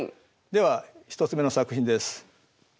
では１つ目の作品です。